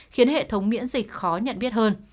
khiến hệ thống miễn dịch khó nhận biết hơn